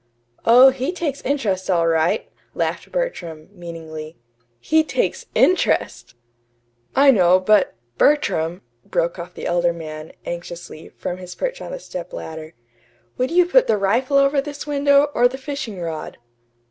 "Oh, he takes interest all right," laughed Bertram, meaningly. "He takes INTEREST!" "I know, but Bertram," broke off the elder man, anxiously, from his perch on the stepladder, "would you put the rifle over this window, or the fishing rod?"